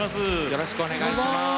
よろしくお願いします。